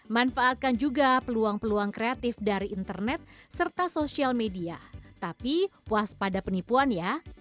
manfaatkan juga peluang peluang kreatif dari internet serta sosial media tapi puas pada penipuan ya